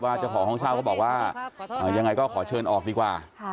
เจ้าของห้องเช่าเขาบอกว่ายังไงก็ขอเชิญออกดีกว่า